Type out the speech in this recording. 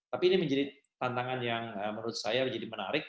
tapi ini menjadi tantangan yang menurut saya menjadi menarik